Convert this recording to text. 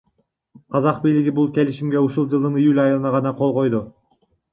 Казак бийлиги бул келишимге ушул жылдын июль айында гана кол койду.